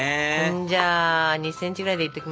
じゃあ２ｃｍぐらいでいっときますか？